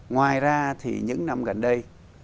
ngoài ra thì những năm gần đây